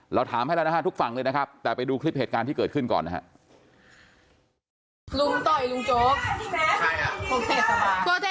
เราถามให้แล้วนะฮะทุกฝั่งเลยนะครับแต่ไปดูคลิปเหตุการณ์ที่เกิดขึ้นก่อนนะครับ